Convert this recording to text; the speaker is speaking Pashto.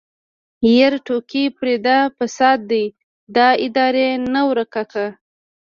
يره ټوکې پرېده فساد دې د ادارې نه ورک که.